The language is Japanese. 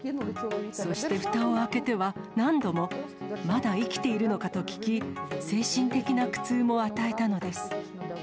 そしてふたを開けては、何度もまだ生きているのかと聞き、精神的な苦痛も与えたのです。